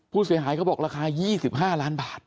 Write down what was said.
ผู้เสียหายเขาบอกราคา๒๕ล้านบาท